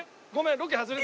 ロケ外れて。